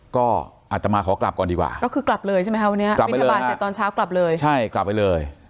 ก็อัตมาขอกลับก่อนดีกว่าก็คือกลับเลยใช่ไหมคะวันนี้บินทบาทเสร็จตอนเช้ากลับเลยใช่กลับไปเลย